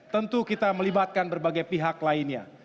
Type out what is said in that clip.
tentu kita melibatkan berbagai pihak lainnya